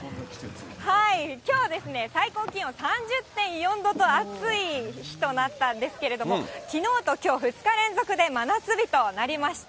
きょうはですね、最高気温３０．４度と暑い日となったんですけど、きのうときょう、２日連続で真夏日となりました。